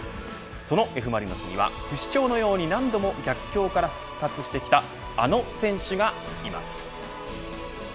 そのＦ・マリノスには不死鳥のように何度も逆境から復活してきたあの選手がいます。